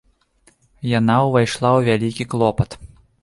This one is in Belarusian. Яна ўвайшла ў вялікі клопат.